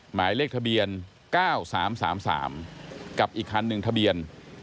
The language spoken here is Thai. หมายเลขทะเบียน๙๓๓กับอีกคันหนึ่งทะเบียน